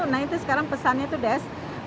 nah itu sekarang pesannya itu des